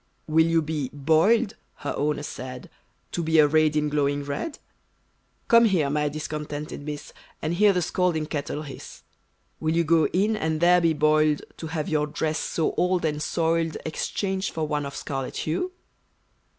"Will you be boiled" her owner said, "To be arrayed in glowing red? Come here, my discontented miss, And hear the scalding kettle hiss! Will you go in, and there be boiled, To have your dress, so old and soiled, Exchanged for one of scarlet hue?"